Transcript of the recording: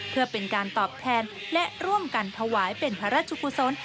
เพื่อเป็นการตอบแทนและร่วมกันถวายเป็นพระราชกุศล